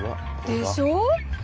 でしょ？